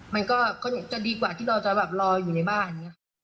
มันก็จะดีกว่าที่เราจะรออยู่ในบ้าน